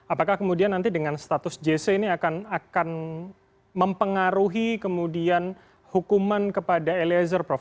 apakah kemudian nanti dengan status jc ini akan mempengaruhi kemudian hukuman kepada eliezer prof